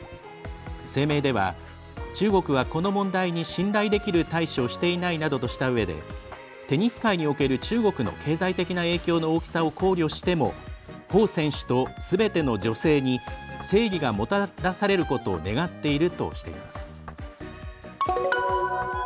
声明では中国は、この問題に信頼できる対処をしていないなどとしたうえでテニス界における中国の経済的な影響の大きさを考慮しても彭選手と、すべての女性に正義がもたらされることを願っているとしています。